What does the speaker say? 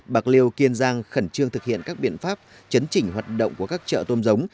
bạc liêu kiên giang khẩn trương thực hiện các biện pháp chấn chỉnh hoạt động của các chợ tôm giống